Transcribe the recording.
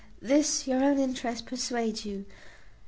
This your own interest persuades you.